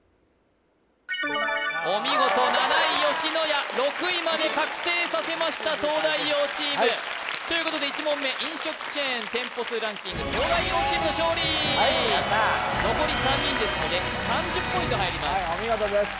お見事７位吉野家６位まで確定させました東大王チームということで１問目飲食チェーン店舗数ランキング残り３人ですので３０ポイント入りますお見事です